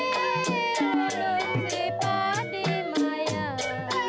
padi lulusi padi mayang